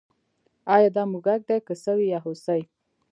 ایا دا موږک دی که سوی یا هوسۍ